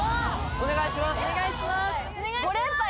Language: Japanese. お願いします！